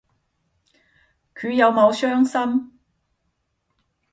佢有冇傷心